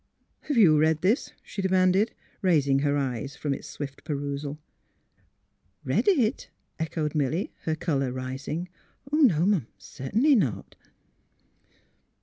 '' Have you read this ?'' she demanded, raising her eyes from its swift perusal. '^ Read it? " echoed Milly, her colour rising. ^' No'm; certainly not."